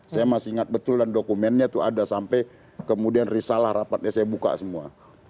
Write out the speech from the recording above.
saya masih ingat betul dan dokumennya itu ada sampai kemudian risalah rapatnya saya buka semua